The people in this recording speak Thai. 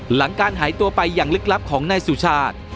หลังการหายตัวไปอย่างลึกลับของนายสุชาติ